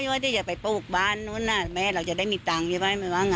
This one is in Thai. อยู่ว่าจะไปประบุกรณ์นู้นน่ะแม่เราจะได้มีตังค์หรือเปล่าไม่ว่าง